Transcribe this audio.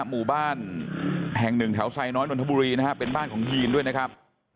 หมู่บ้านแห่งหนึ่งแถวไซน้อยนนทบุรีนะฮะเป็นบ้านของยีนด้วยนะครับ